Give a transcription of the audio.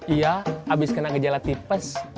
iya habis kena gejala tipes